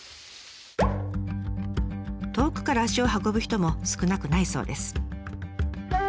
遠くから足を運ぶ人も少なくないそうです。